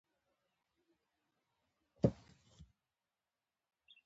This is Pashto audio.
آټو ایفز موضوغ مطرح کړه.